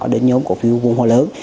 đến nhóm cổ phiếu vùng hóa lớn